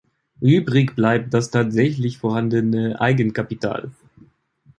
Übrig bleibt das tatsächlich vorhandene Eigenkapital.